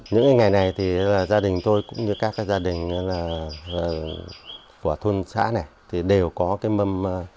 những ngày này gia đình tôi cũng như các gia đình của thôn xã này đều có mâm